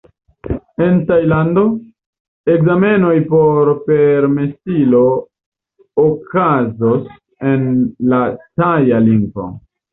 En Tajlando, ekzamenoj por permesilo okazos en la Taja lingvo.